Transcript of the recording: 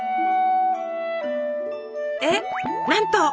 えっなんと！